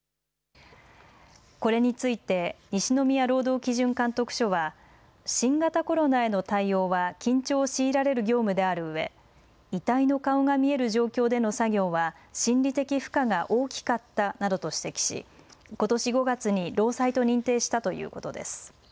これについて西宮労働基準監督署は新型コロナへの対応は緊張を強いられる業務であるうえ遺体の顔が見える状況での作業は心理的負荷が大きかったなどと指摘し、ことし５月に労災と認定したということです。